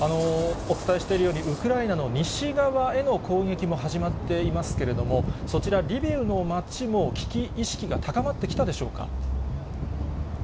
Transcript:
お伝えしているように、ウクライナの西側への攻撃も始まっていますけれども、そちら、リビウの町も危機意識が高まってきたでしょうか。